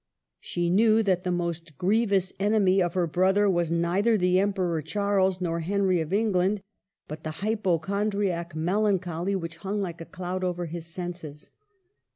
She knew that the most grievous enemy of her brother was neither the Emperor Charles nor Henry of England, but the hypochondriac mel ancholy which hung like a cloud over his senses.